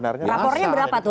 rapornya berapa tuh